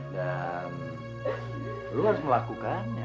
dan lo harus melakukan